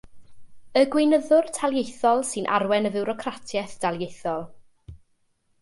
Y gweinyddwr taleithiol sy'n arwain y fiwrocratiaeth daleithiol.